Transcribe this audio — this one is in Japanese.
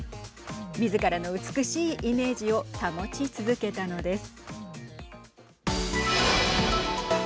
みずからの美しいイメージを保ち続けたのです。